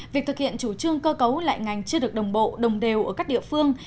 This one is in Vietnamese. việc thực hiện chủ trương cơ cấu lại ngành chưa được đồng bộ đồng đều ở các địa phương